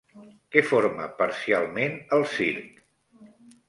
Què forma parcialment el circ?